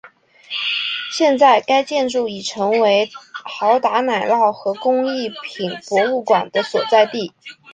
现在该建筑已成为豪达奶酪和工艺品博物馆的所在地。